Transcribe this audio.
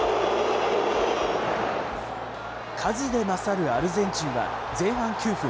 数で勝るアルゼンチンは前半９分。